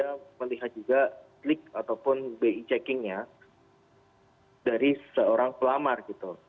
saya melihat juga klik ataupun bi checkingnya dari seorang pelamar gitu